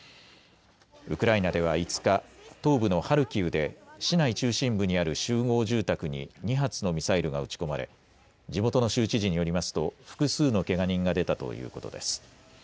ウクライナでは５日、東部のハルキウで市内中心部にある集合住宅に２発のミサイルが撃ち込まれ、地元の州知事によりますと複数のけが人が出たということです。